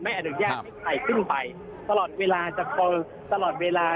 ไม่อนุญาตใกล้ขึ้นไปตลอดเวลา